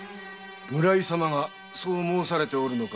村井様がそう申されておるのか。